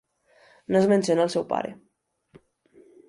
No es menciona al seu pare.